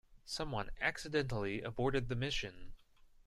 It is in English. Someone accidentally aborted the mission.